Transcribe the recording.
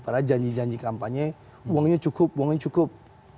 padahal janji janji kampanye uangnya cukup uangnya cukup